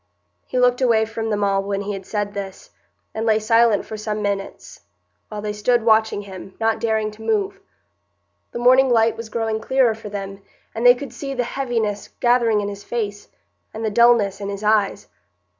He looked away from them all when he had said this, and lay silent for some minutes, while they stood watching him, not daring to move. The morning light was growing clearer for them, and they could see the heaviness gathering in his face, and the dulness in his eyes.